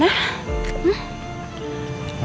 kamu cantik banget sayang